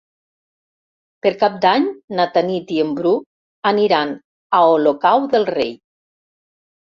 Per Cap d'Any na Tanit i en Bru aniran a Olocau del Rei.